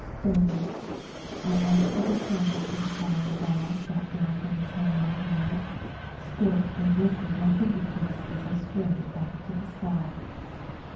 Fame I asked for the sun! but the fiery ball, Brought down from its home on high, Scorched and blistered my finger tips, As I swirled it back to the sky.